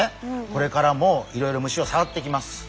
これからもいろいろ虫をさわっていきます。